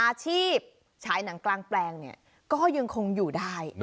อาชีพฉายหนังกลางแปลงเนี่ยก็ยังคงอยู่ได้